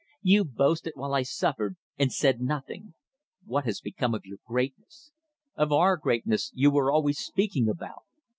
"You boasted while I suffered and said nothing. What has become of your greatness; of our greatness you were always speaking about?